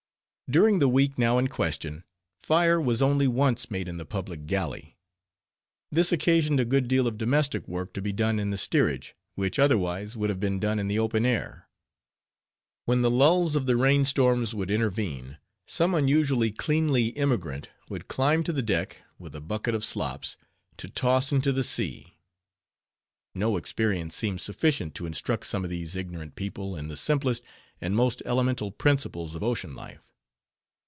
During the week, now in question, fire was only once made in the public galley. This occasioned a good deal of domestic work to be done in the steerage, which otherwise would have been done in the open air. When the lulls of the rain storms would intervene, some unusually cleanly emigrant would climb to the deck, with a bucket of slops, to toss into the sea. No experience seemed sufficient to instruct some of these ignorant people in the simplest, and most elemental principles of ocean life.